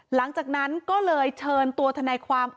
หลังจากนั้นก็เลยเชิญตัวทนายความ